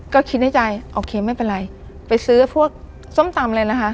ก็คิดในใจโอเคไม่เป็นไรไปซื้อพวกส้มตำเลยนะคะ